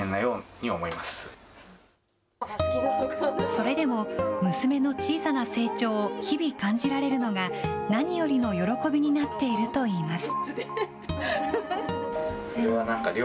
それでも、娘の小さな成長を日々、感じられるのが、何よりの喜びになっているといいます。